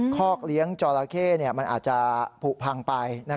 คอกเลี้ยงจอราเข้มันอาจจะผูกพังไป